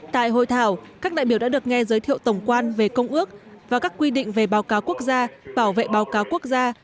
tại hội thảo các đại biểu đã được nghe giới thiệu tổng quan về công ước và các quy định về báo cáo quốc gia bảo vệ báo cáo quốc gia